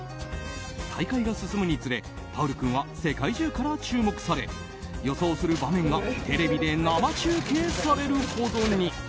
大会が進むにつれパウル君は世界中から注目され予想する場面がテレビで生中継されるほどに。